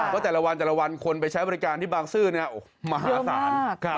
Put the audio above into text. ว่าแต่ละวันแต่ละวันคนไปใช้บริการที่บางซื่อมหาศาล